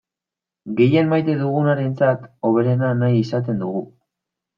Gehien maite dugunarentzat hoberena nahi izaten dugu.